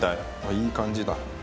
いい感じだ。